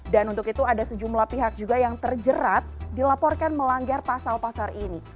dan untuk itu ada sejumlah pihak juga yang terjerat dilaporkan melanggar pasal pasal ini